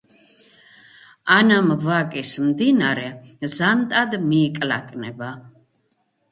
ანამ ვაკის მდინარე ზანტად მიიკლაკნება,